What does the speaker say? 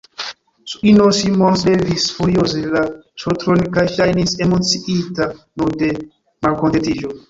S-ino Simons levis furioze la ŝultrojn, kaj ŝajnis emociita nur de malkontentiĝo.